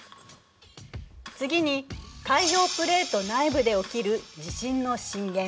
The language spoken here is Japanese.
次に海洋プレート内部で起きる地震の震源。